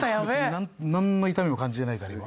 なんの痛みも感じてないから今。